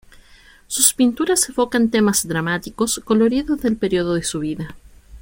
Sus pinturas evocan temas dramáticos, coloridos del periodo de su vida.